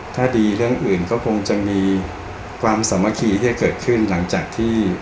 ถ้าดีเรื่องอื่นก็คงจะมีความสามัคคีที่จะเกิดขึ้นหลังจากที่